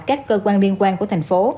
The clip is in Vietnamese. các cơ quan liên quan của thành phố